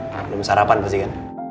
belum sarapan pasti kan